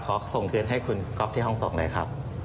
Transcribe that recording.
ขอส่งคืนให้คุณก๊อฟที่ห้องส่งเลยครับ